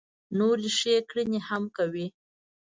نورې ښې کړنې هم کوي.